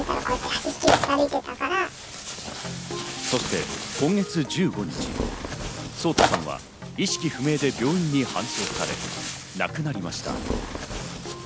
そして今月１５日、颯太さんは意識不明で病院に搬送され亡くなりました。